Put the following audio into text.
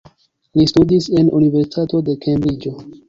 Li studis en Universitato de Kembriĝo.